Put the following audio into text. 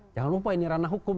jangan lupa ini ranah hukum